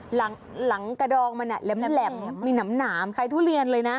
หลังหลังกระดองมันอ่ะแหลมแหลมแหลมมีหนัมหนามไข่ทุเรียนเลยน่ะ